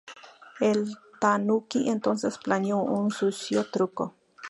El "tanuki" entonces planeó un sucio truco.